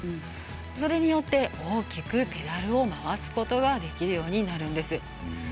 それによって大きくペダルを回すことができるんです。